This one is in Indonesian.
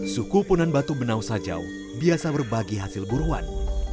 suku punan batu benau sajau biasa berbagi hasil buruan